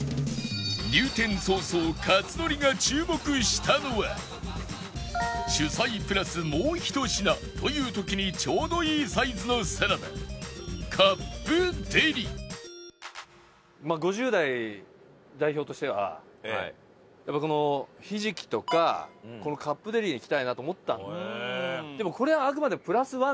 入店早々克典が主菜プラスもうひと品という時にちょうどいいサイズのサラダカップデリ５０代代表としてはやっぱこのひじきとかこのカップデリにいきたいなと思ったの。